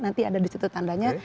nanti ada di situ tandanya